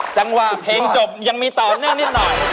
จังหวะเพลงจบยังมีต่อหน้านี่หน่อย